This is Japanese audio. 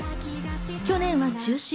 去年は中止。